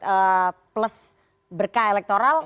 meskipun dapat plus berkah elektoral